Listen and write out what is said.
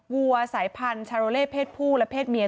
วัวสายพันธุ์ชาโรเล่เพศผู้และเพศเมีย